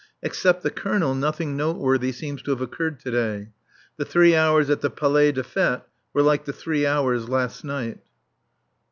Except the Colonel nothing noteworthy seems to have occurred to day. The three hours at the Palais des Fêtes were like the three hours last night.